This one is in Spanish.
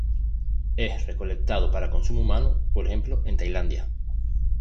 Es recolectado para consumo humano, por ejemplo en Tailandia.